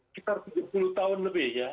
sekitar tujuh puluh tahun lebih ya